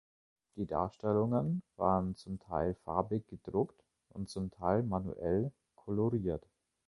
Die Darstellungen waren zum Teil farbig gedruckt und zum Teil manuell koloriert.